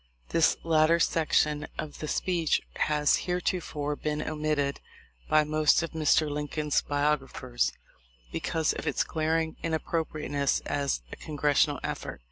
This latter section of the speech has hereto fore been omitted by most of Mr. Lincoln's biog raphers because of its glaring inappropriateness as a Congressional effort.